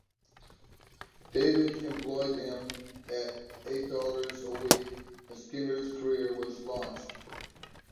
Davidge employed him at eight dollars a week, and Skinner's career was launched.